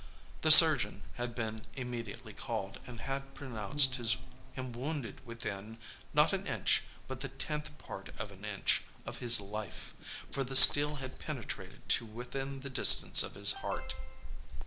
The surgeon had been immediately called, and had pronounced him wounded within not an inch, but the tenth part of an inch of his life; for the steel had penetrated to within that distance of his heart.